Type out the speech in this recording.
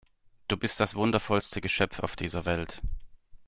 Du bist das wundervollste Geschöpf auf dieser Welt!